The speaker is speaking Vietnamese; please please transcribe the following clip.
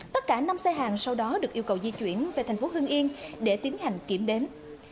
tất cả năm xe hàng sau đó được yêu cầu di chuyển về thành phố hưng yên để tiến hành kiểm đếm